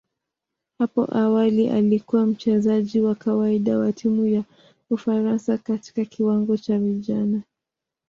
Hapo awali alikuwa mchezaji wa kawaida wa timu ya Ufaransa katika kiwango cha vijana.